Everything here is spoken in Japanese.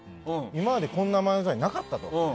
今までこんな漫才なかったと。